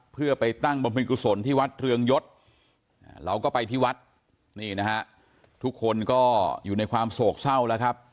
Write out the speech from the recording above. เพื่อไปตั้งบำเพ็ญกุศลที่วัดเรืองยศเราก็ไปที่วัดนี่นะฮะทุกคนก็อยู่ในความโศกเศร้าแล้วครับ